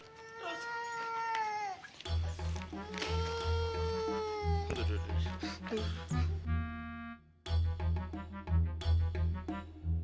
tuh tuh tuh